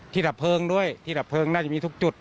ดับเพลิงด้วยที่ดับเพลิงน่าจะมีทุกจุด